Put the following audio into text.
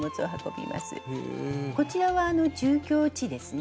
こちらは住居地ですね。